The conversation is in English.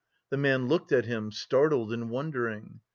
The man looked at him, startled and wondering.